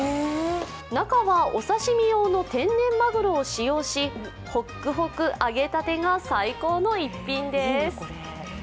中はお刺身用の天然マグロを使用しホックホック、揚げたてが最高の一品です。